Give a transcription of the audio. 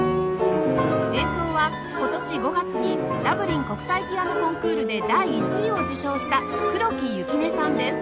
演奏は今年５月にダブリン国際ピアノコンクールで第１位を受賞した黒木雪音さんです